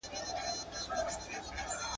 • يو وار نوک، بيا سوک.